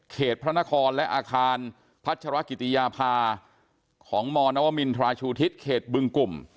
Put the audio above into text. พระนครและอาคารพัชรกิติยาภาของมนวมินทราชูทิศเขตบึงกลุ่ม